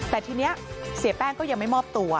แต่ทีนี้เสียแป้งก็ยังไม่มอบตัว